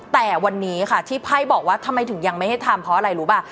แต่วันนี้ค่ะที่ไพ่บอกว่าทำไมถึงยังไม่ให้ทำเพราะอะไรรู้ป่ะ